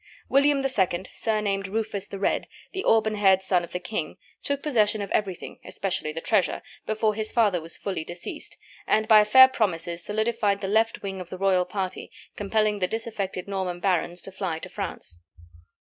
William II., surnamed "Rufus the Red," the auburn haired son of the king, took possession of everything especially the treasure before his father was fully deceased, and by fair promises solidified the left wing of the royal party, compelling the disaffected Norman barons to fly to France.